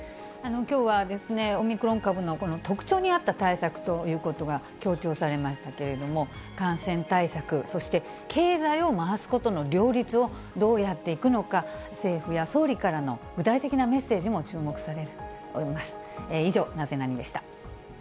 きょうはオミクロン株のこの特徴に合った対策ということが強調されましたけれども、感染対策、そして経済を回すことの両立をどうやっていくのか、政府や総理からの具体的なメッセージも注目されると思います。